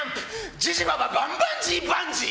ジジバババンバンジーバンジー！